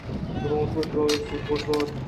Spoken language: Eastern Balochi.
دروت ءُ دراھی ! سھب وش بات۔